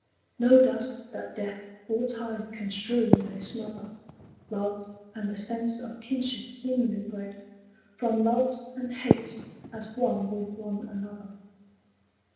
No dust that death or time can strew may smother Love and the sense of kinship inly bred From loves and hates at one with one another.